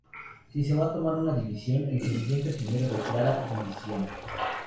Si se va a tomar una división, el Presidente primero declara: "División!